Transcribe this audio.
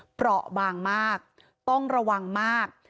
เพราะบางมากต้องระวังมาก